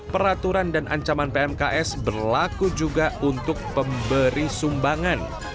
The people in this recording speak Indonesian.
peraturan dan ancaman pmks berlaku juga untuk pemberi sumbangan